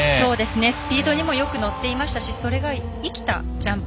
スピードにもよく乗っていましたしそれが生きたジャンプ。